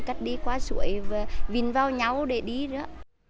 cắt đi qua suối và vìn vào nhau để đi nữa